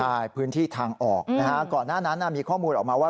ใช่พื้นที่ทางออกนะฮะก่อนหน้านั้นมีข้อมูลออกมาว่า